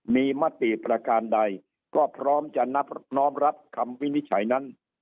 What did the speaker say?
มีมติประการใดก็พร้อมจะนับน้อมรับคำวินิจฉัยนั้น